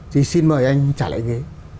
thì xin mời anh trả lại ghế